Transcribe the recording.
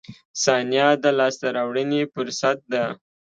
• ثانیه د لاسته راوړنې فرصت ده.